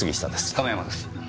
亀山です。